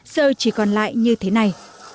giờ chỉ còn lại như thế này